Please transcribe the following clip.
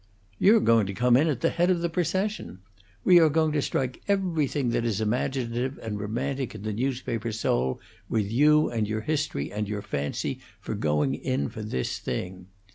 "You're going to come in at the head of the procession! We are going to strike everything that is imaginative and romantic in the newspaper soul with you and your history and your fancy for going in for this thing.